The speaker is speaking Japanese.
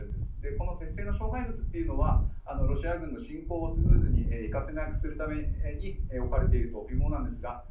この鉄製の障害物はロシア軍の侵攻をスムーズに行かせないため置かれているものですが。